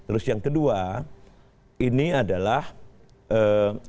terus yang kedua ini adalah ee